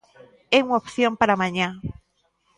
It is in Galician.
E unha opción para mañá.